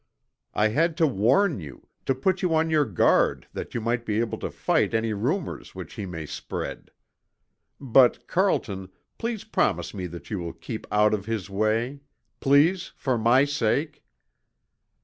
I had to warn you, to put you on your guard that you might be able to fight any rumors which he may spread. But, Carlton, please promise me that you will keep out of his way. Please, for my sake!"